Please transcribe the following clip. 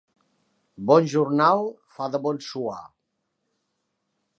Bon jornal fa de bon suar.